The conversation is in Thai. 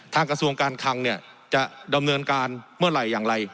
กระทรวงการคังเนี่ยจะดำเนินการเมื่อไหร่อย่างไร